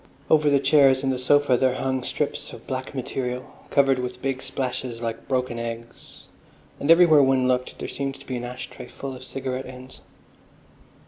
Over the chairs and sofa there hung strips of black material, covered with big splashes like broken eggs, and everywhere one looked there seemed to be an ash tray full of cigarette ends.